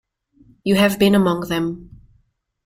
You have been among them.